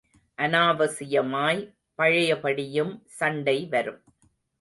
அனாவசியமாய் பழையபடியும் சண்டை வரும்.